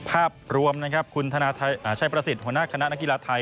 ภาพรวมชัยประสิทธิ์คุณฮนาคณะนักกีฬาไทย